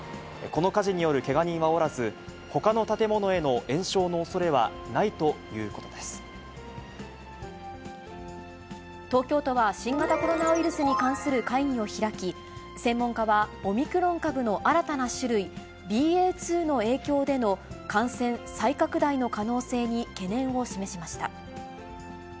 この火事によるけが人はおらず、ほかの建物への延焼のおそれはな東京都は、新型コロナウイルスに関する会議を開き、専門家はオミクロン株の新たな種類、ＢＡ．２の影響での感染再拡大の可能性に懸念を示しました。